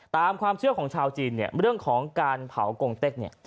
ตามความเชื่อของชาวจีนเนี่ยเรื่องของการเผากงเต็กเนี่ย